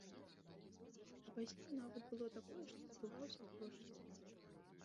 А пасля нават было такое, што забываўся грошы забраць.